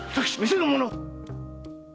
店の者を！